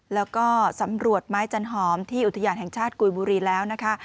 แล้วก็สำรวจไม้จันหอมที่อุทยานแห่งชาติกุยบุรีแล้วนะคะ